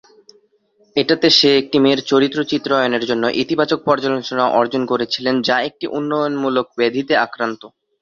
এটাতে সে একটি মেয়ের চরিত্র চিত্রায়নের জন্য ইতিবাচক পর্যালোচনা অর্জন করেছিলেন যা একটি উন্নয়নমূলক ব্যাধিতে আক্রান্ত।